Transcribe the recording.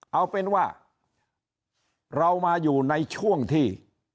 เอาเป็นว่าเรามาอยู่ในช่วงที่